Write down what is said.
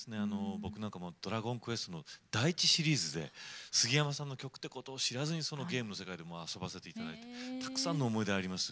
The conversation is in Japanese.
僕なんかも「ドラゴンクエスト」の第１シリーズですぎやまさんの曲ということを知らずにゲームの世界で遊ばせていただきたくさんの思い出があります。